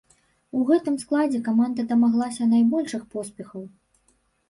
У гэтым складзе каманда дамаглася найбольшых поспехаў.